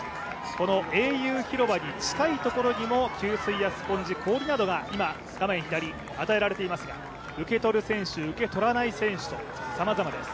この英雄広場に近いところにも、給水やスポンジ氷などが今、画面左与えられていますが受け取る選手、受け取らない選手とさまざまです。